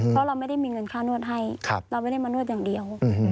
เพราะเราไม่ได้มีเงินค่านวดให้เราไม่ได้มานวดอย่างเดียว